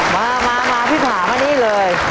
มาพี่ผ่ามานี่เลย